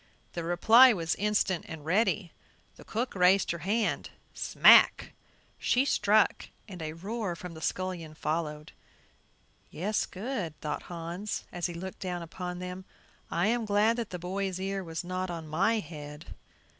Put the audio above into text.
The reply was instant and ready. The cook raised her hand; "smack!" she struck and a roar from the scullion followed. "Yes, good," thought Hans, as he looked down upon them; "I am glad that the boy's ear was not on my head."